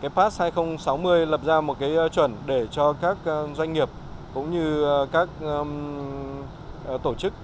cái pass hai nghìn sáu mươi lập ra một cái chuẩn để cho các doanh nghiệp cũng như các tổ chức